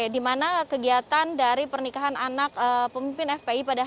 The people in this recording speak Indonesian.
di mana kegiatan dari pernikahan anak pemimpin fpi pada